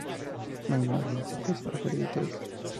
No hay mas músicos acreditados.